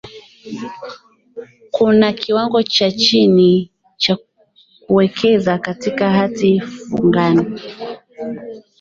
kuna kiwango cha chini cha kuwekeza katika hati fungani